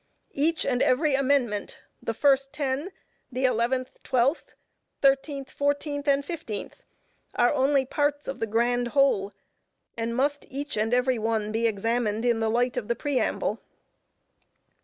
Each and every amendment the first ten, the eleventh, twelfth, thirteenth, fourteenth, and fifteenth, are only parts of the grand whole, and must, each and every one, be examined in the light of the Preamble.